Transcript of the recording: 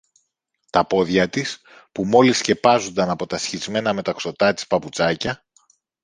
Τα πόδια της που μόλις σκεπάζουνταν από τα σχισμένα μεταξωτά της παπουτσάκια